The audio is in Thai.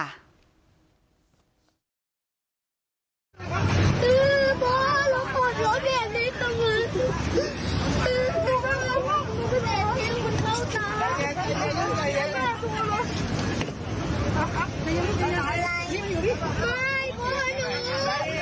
อืมบ้อเราโตนรถแดงได้ตัวมือ